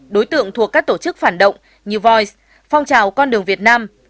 đối tượng thuộc các tổ chức phản động như voi phong trào con đường việt nam